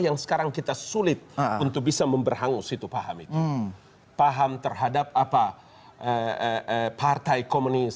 yang sekarang kita sulit untuk bisa memberhangus itu paham itu paham terhadap apa partai komunis